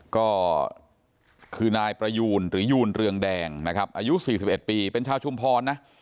ก็คือนายประยูนหรือยูนเรืองแดงนะครับอายุ๔๑ปีเป็นชาวชุมพรนะ